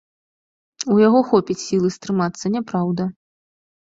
У яго хопіць сілы стрымацца, няпраўда!